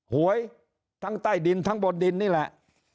หวยทั้งใต้ดินทั้งบนดินนี่แหละ